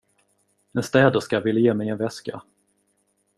En städerska ville ge mig en väska.